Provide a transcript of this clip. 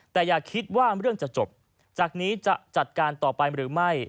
แต่อย่าคิดว่าเรื่องจะจบจากนี้จะจัดการต่อไปหรือไม่